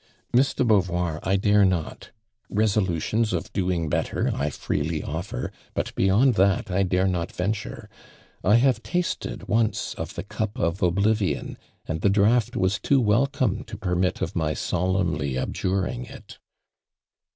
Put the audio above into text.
" Miss de Beauvoir, I dare not. Resolu tions of doing better, I freely oflier, but, boyond tliat, I dare not venture. I have tasted once of the cup of oblivion and the Iraught was too welcome to permit of my >olemnly abjuring it."